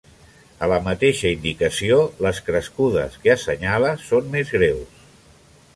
A la mateixa indicació, les crescudes que assenyala són més greus.